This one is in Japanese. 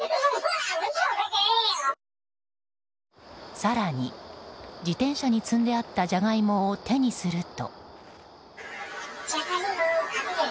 更に、自転車に積んであったジャガイモを手にすると。